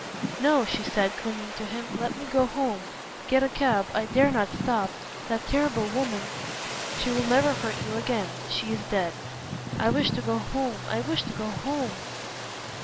no," she said, clinging to him, "let me go home. Get a cab. I dare not stop. That terrible woman " "She will never hurt you again. She is dead." "I wish to go home I wish to go home."